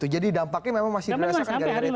jadi dampaknya memang masih dirasakan